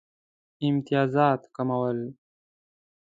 امتیازات کمول.